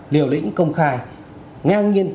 liều lĩnh công khai ngang nghiên